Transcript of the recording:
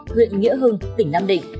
hẹn gặp lại